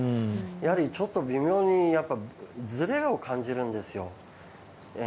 ちょっと微妙にずれを感じるんですよ。